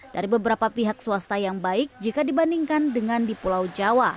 dari beberapa pihak swasta yang baik jika dibandingkan dengan di pulau jawa